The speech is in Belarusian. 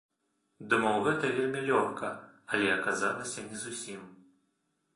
Думаў, гэта вельмі лёгка, але аказалася не зусім.